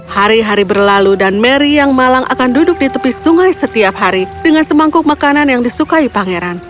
hari hari berlalu dan mary yang malang akan duduk di tepi sungai setiap hari dengan semangkuk makanan yang disukai pangeran